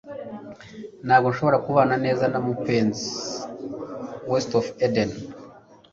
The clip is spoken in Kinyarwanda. Ntabwo nshobora kubana neza na mupenzi. (WestofEden)